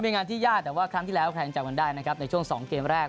เป็นงานที่ยากแต่ว่าครั้งที่แล้วใครยังจำกันได้นะครับในช่วง๒เกมแรก